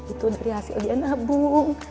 itu dari hasil dia nabung